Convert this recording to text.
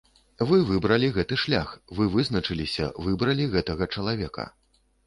Вы выбралі гэты шлях, вы вызначыліся, выбралі гэтага чалавека.